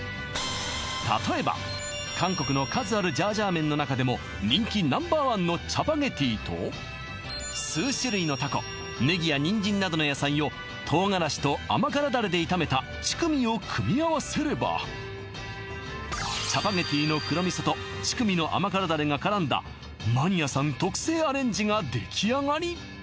例えば韓国の数あるジャージャー麺の中でも人気Ｎｏ．１のチャパゲティと数種類のタコネギやニンジンなどの野菜を唐辛子と甘辛ダレで炒めたチュクミを組み合わせればチャパゲティの黒味噌とチュクミの甘辛ダレがからんだマニアさん特製アレンジができあがり